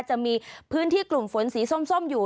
จะมีพื้นที่กลุ่มฝนสีส้มอยู่